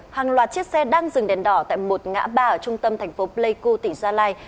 hàng loạt chiếc xe đang dừng đèn đỏ tại một ngã ba ở trung tâm thành phố pleiku tỉnh gia lai